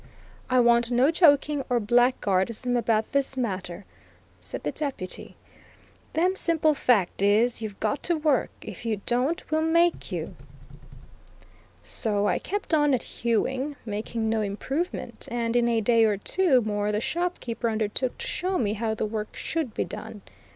"I want no joking or blackguardism about this matter," said the Deputy; "them simple fact is, you've got to work; if you don't we'll make you." So I kept on at hewing, making no improvement, and in a day or two more the shopkeeper undertook to show me how the work should be done.